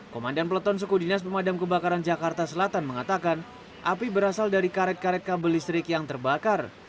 komandan peleton suku dinas pemadam kebakaran jakarta selatan mengatakan api berasal dari karet karet kabel listrik yang terbakar